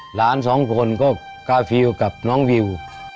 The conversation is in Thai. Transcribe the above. หลานสองคนก็กาฟิลกับน้องวิว